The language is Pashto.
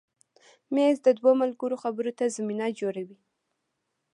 مېز د دوو ملګرو خبرو ته زمینه جوړوي.